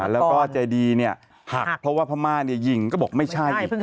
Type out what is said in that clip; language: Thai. แล้วก็เจดีเนี่ยหักเพราะว่าพระม่าเนี่ยยิงก็บอกไม่ใช่